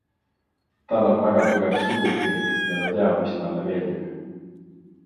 Tal on väga tugev sugukirg ja ta teab, mis talle meeldib.